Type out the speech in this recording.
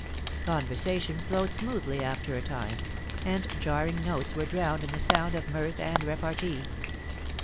Conversation flowed smoothly after a time, and jarring notes were drowned in the sound of mirth and repartee.